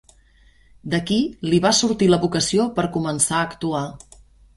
D'aquí li va sortir la vocació per començar a actuar.